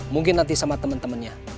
mungkin nanti sama temen temennya